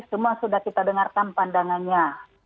semua sudah kita dengarkan pandangannya